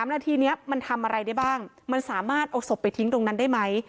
นาทีนี้มันทำอะไรได้บ้างมันสามารถเอาศพไปทิ้งตรงนั้นได้ไหม